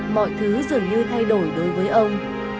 mọi thứ dường như thay đổi đối với ông